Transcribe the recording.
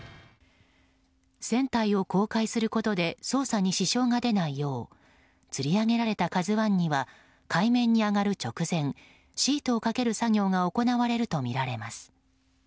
船体を公開することで捜査に支障が出ないようつり上げられた「ＫＡＺＵ１」には海面に上がる直前シートをかける作業が行われるとみられます。